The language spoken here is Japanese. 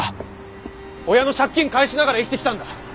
親の借金返しながら生きてきたんだ。